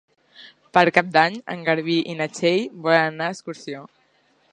Per Cap d'Any en Garbí i na Txell volen anar d'excursió.